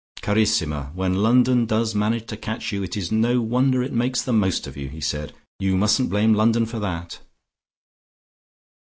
"Carissima, when London does manage to catch you, it is no wonder it makes the most of you," he said. "You mustn't blame London for that."